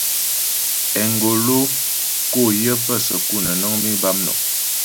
Engolo kǒ yə pə səku nə́ nəŋ biŋ bâ mnɔm.